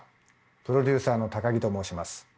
プロデューサーの高木と申します。